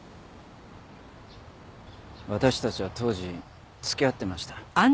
私たちは当時付き合ってました。